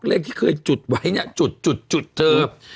เลขที่เคยจุดไว้เนี่ยจุดจุดจุดเธออืม